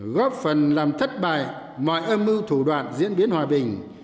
góp phần làm thất bại mọi âm mưu thủ đoạn diễn biến hòa bình